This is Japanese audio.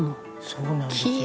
「そうなんですよ